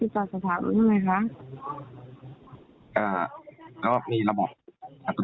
พี่จอนจะถามเหมือนม่ายไงค่ะ